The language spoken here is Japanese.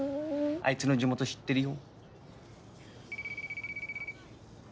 あいつの地元知ってるよ。